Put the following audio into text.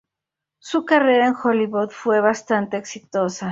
Su carrera en Hollywood fue bastante exitosa.